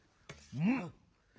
うん！